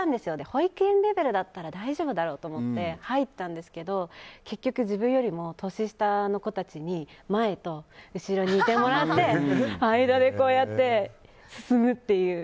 保育園レベルだったら大丈夫だろうと思って入ったんですけど結局、自分よりも年下の子たちに前と後ろにいてもらって間で、こうやって進むっていう。